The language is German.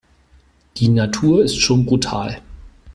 Die Natur ist schon brutal.